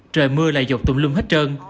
trời mưa lại dột tùm lum hết trơn